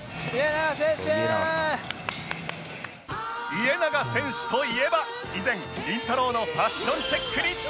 家長選手といえば以前りんたろー。のファッションチェックに登場！